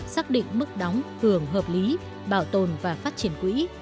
xác định mức đóng hưởng hợp lý bảo tồn và phát triển quỹ